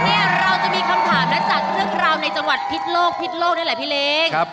เนี่ยเราจะมีคำถามนะจากเรื่องราวในจังหวัดพิษโลกพิษโลกนี่แหละพี่เล้ง